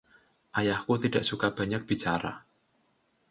Ayahku tidak suka banyak bicara.